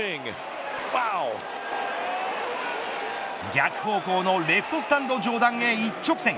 逆方向のレフトスタンド上段へ一直線。